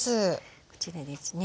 こちらですね。